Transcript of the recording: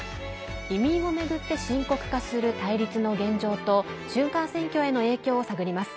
移民を巡って深刻化する対立の現状と中間選挙への影響を探ります。